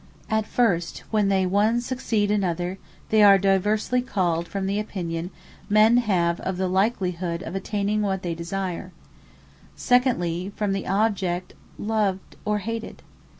As first, when they one succeed another, they are diversly called from the opinion men have of the likelihood of attaining what they desire. Secondly, from the object loved or hated.